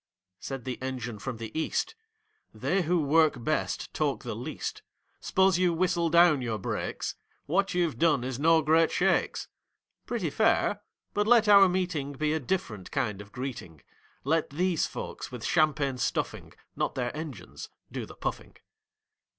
Said the Engine from the EAST: "They who work best talk the least. S'pose you whistle down your brakes; What you've done is no great shakes, Pretty fair,—but let our meeting Be a different kind of greeting. Let these folks with champagne stuffing, Not their Engines, do the PUFFING.